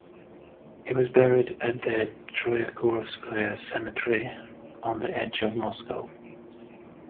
He was buried at the Troyekurovskoye Cemetery on the edge of Moscow.